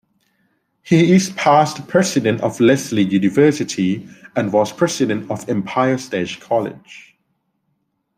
He is past president of Lesley University and was president of Empire State College.